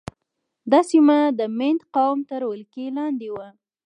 دا سیمه د مینډ قوم تر ولکې لاندې وه.